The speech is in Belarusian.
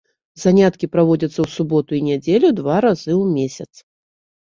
Заняткі праводзяцца ў суботу і нядзелю два разы ў месяц.